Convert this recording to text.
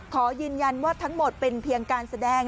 ขอยืนยันว่าทั้งหมดเป็นเพียงการแสดง